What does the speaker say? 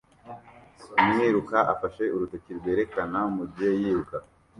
Umwiruka afashe urutoki rwerekana mugihe yiruka